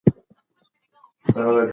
هغه د راتلونکو نسلونو فکر ساته.